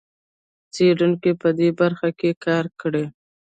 څېړونکو په دې برخه کې کار کړی.